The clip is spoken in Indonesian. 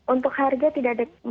untuk harga tidak ada